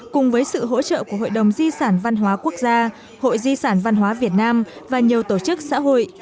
cùng với sự hỗ trợ của hội đồng di sản văn hóa quốc gia hội di sản văn hóa việt nam và nhiều tổ chức xã hội